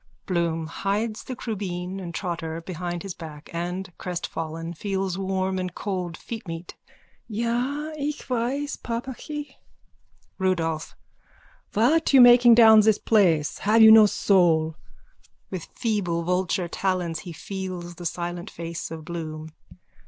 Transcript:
BLOOM: (Hides the crubeen and trotter behind his back and, crestfallen, feels warm and cold feetmeat.) Ja, ich weiss, papachi. RUDOLPH: What you making down this place? Have you no soul? _(With feeble vulture talons he feels the silent face of Bloom.)